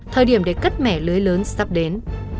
thời điểm để cất mẻ lưới lớn sắp đến